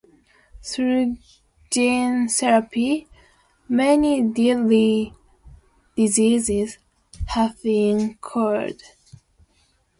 Through gene therapy, many deadly diseases have been cured.